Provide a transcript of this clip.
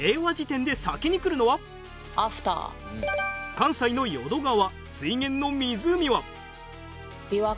関西の淀川水源の湖は？